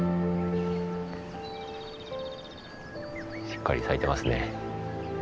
しっかり咲いてますね。